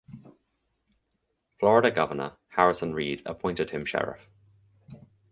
Florida governor Harrison Reed appointed him sheriff.